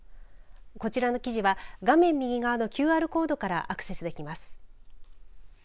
こちらの記事は画面右側のＱＲコードからアクセスできます。